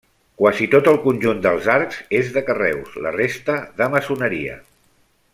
Quasi tot el conjunt dels arcs és de carreus, la resta de maçoneria.